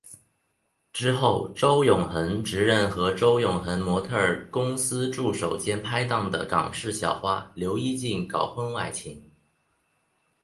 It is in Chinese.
之后周永恒直认和周永恒模特儿公司助手兼拍档的港视小花刘依静搞婚外情。